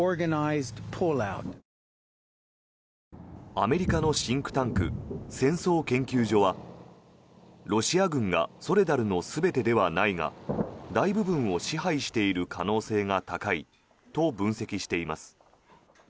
アメリカのシンクタンク戦争研究所はロシア軍がソレダルの全てではないが大部分を支配している可能性が高いと分析しています。